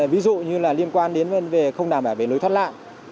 ví dụ như là liên quan đến không đảm bảo về lối thoát lạng